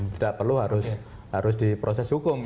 tidak perlu harus di proses hukum